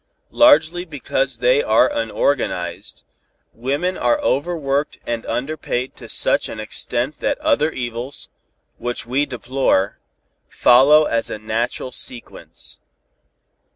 Largely because they are unorganized, women are overworked and underpaid to such an extent that other evils, which we deplore, follow as a natural sequence.